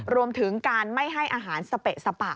รวมถึงการไม่ให้อาหารสเปะสปะ